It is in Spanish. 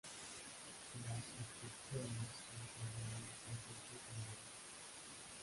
Las objeciones no tardaron en surgir de nuevo.